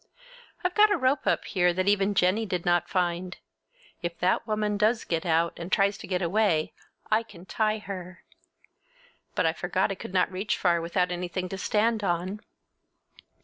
I've got a rope up here that even Jennie did not find. If that woman does get out, and tries to get away, I can tie her! But I forgot I could not reach far without anything to stand on!